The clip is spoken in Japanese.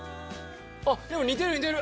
あっでも似てる似てる。